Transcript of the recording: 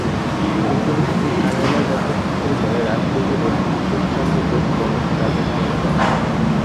বিপ্লবী শহীদ কানাইলাল দত্ত থেকে শুরু করে রাসবিহারী বসু, শ্রীশচন্দ্র ঘোষ প্রমুখ তার কাছে নিয়মিত আসতেন।